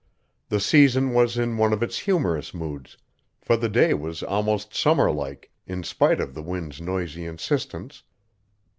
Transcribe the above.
The season was in one of its humorous moods, for the day was almost summer like in spite of the wind's noisy insistence.